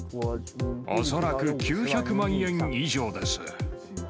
恐らく９００万円以上です。